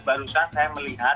barusan saya melihat